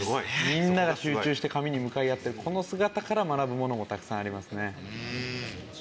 みんなが集中して紙に向かい合ってるこの姿から学ぶものもたくさんありますね。